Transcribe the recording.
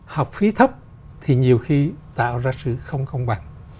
hậu phí thấp thì nhiều khi tạo ra sự không cống bằng